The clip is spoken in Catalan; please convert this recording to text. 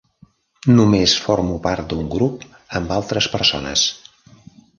Només formo part d'un grup amb altres persones.